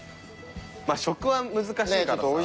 まあ食は難しいからさ。